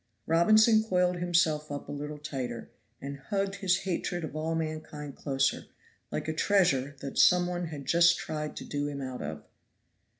Robinson coiled himself up a little tighter, and hugged his hatred of all mankind closer, like a treasure that some one had just tried to do him out of.